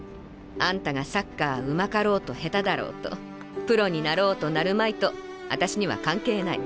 あんたがサッカーうまかろうとへただろうとプロになろうとなるまいとあたしには関係ない。